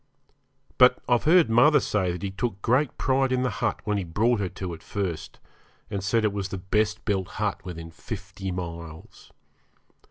But I've heard mother say that he took great pride in the hut when he brought her to it first, and said it was the best built hut within fifty miles.